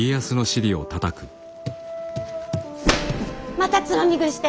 またつまみ食いして！